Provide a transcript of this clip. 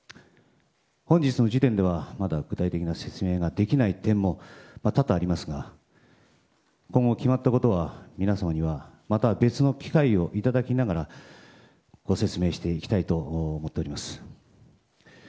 本日の時点ではまだ具体的な説明ができない点も多々ありますが今後決まったことは、皆さんにはまた別の機会をいただきながらご説明していきたいと思っております。